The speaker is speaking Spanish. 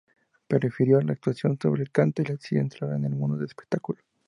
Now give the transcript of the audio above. Prefirió la actuación sobre el canto y decidió entrar en el mundo del espectáculo.